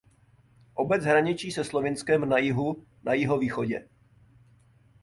Obec hraničí se Slovinskem na jihu na jihovýchodě.